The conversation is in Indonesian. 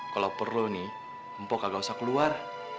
kalau perlu nih empoh kagak usah keluar